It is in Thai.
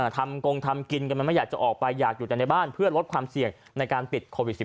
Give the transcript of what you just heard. กงทำกินกันมันไม่อยากจะออกไปอยากอยู่แต่ในบ้านเพื่อลดความเสี่ยงในการติดโควิด๑๙